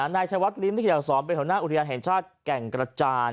นายชวัดริมที่เกี่ยวศรเป็นหัวหน้าอุทยานแห่งชาติแก่งกระจาน